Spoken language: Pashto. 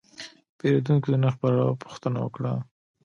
پیرودونکی د نرخ په اړه پوښتنه وکړه.